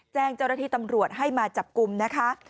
แจ้งเจ้าหน้าที่ตำรวจให้มาจับกลุ่มนะคะ